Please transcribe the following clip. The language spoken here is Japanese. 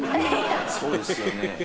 そうですよね。